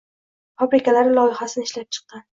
Fabrikalari loyihasini ishlab chiqqan.